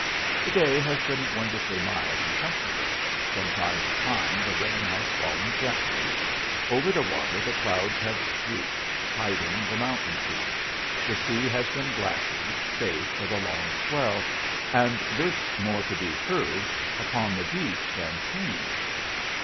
To day has been wonderfully mild and comfortable. From time to time the rain has fallen gently. Over the water the clouds have drooped, hiding the mountain peaks. The sea has been glassy save for the long swell and this more to be heard upon the beach than seen.